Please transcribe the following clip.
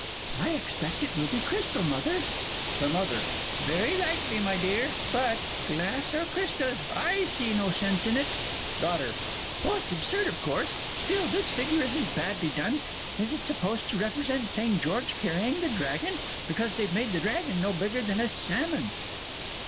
I expect it will be crystal, Mother. HER MOTHER. Very likely, my dear, but glass or crystal I see no sense in it! DAUGHTER. Oh, it's absurd, of course still, this figure isn't badly done. Is it supposed to represent St. George carrying the Dragon? Because they've made the Dragon no bigger than a salmon!